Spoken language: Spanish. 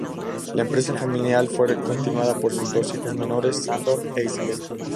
La empresa familiar fue continuada por sus dos hijos menores, Sandor e Izabella.